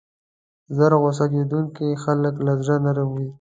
ژر غصه کېدونکي خلک له زړه نرم وي.